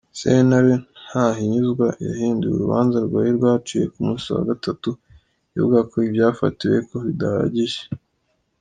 Sentare ntahinyuzwa yahinduye urubanza rwari rwaciwe ku musi wa gatatu, ivuga ko ivyafatiweko bidahagije.